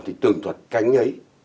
thì tường thuật cánh ấy